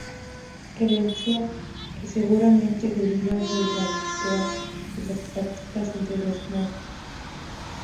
Creencia que seguramente deriva de lo habitual de las prácticas entre los monjes.